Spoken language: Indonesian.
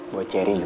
buat ceri juga